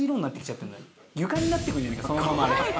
床になってくんじゃねぇかそのまま。